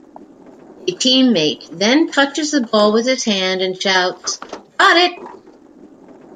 A teammate then touches the ball with his hand and shouts Got it!